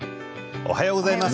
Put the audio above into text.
おはようございます。